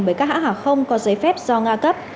bởi các hãng hàng không có giấy phép do nga cấp